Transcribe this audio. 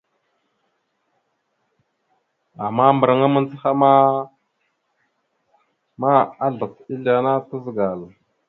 Ama mbəraŋa mandzəhaŋa ma, azlac ezle ana tazəgal.